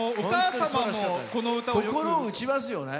心を打ちますよね。